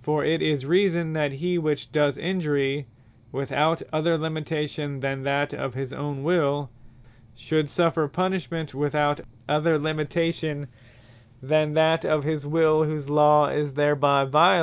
For it is reason, that he which does Injury, without other limitation than that of his own Will, should suffer punishment without other limitation, than that of his Will whose Law is thereby violated.